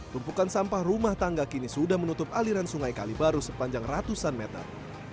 tumpukan sampah rumah tangga kini sudah menutup aliran sungai kalibaru sepanjang ratusan meter